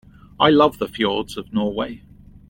I love the fjords of Norway.